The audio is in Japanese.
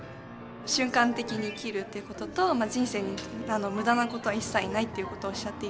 瞬間的に生きるっていうことと人生に無駄なことは一切ないっていうことをおっしゃっていて。